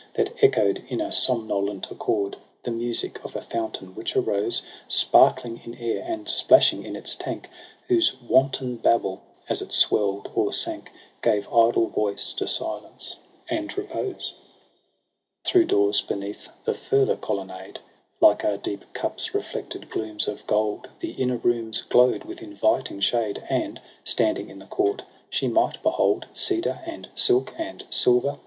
That echo'd in a somnolent accord The music of a fountain, which arose Sparkling in air, and splashing in its tank j Whose wanton babble, as it swell'd or sank. Gave idle voice to silence and repose. H z. loo EROS (Si PSYCHE 9 Thro' doors beneath the further colonnade. Like a deep cup's reflected glooms of gold, The inner rooms glow'd with inviting shade : And, standing in the court, she might behold Cedar, and silk, and silver